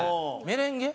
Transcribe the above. メレンゲ？